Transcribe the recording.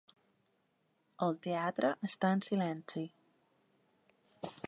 El teatre està en silenci.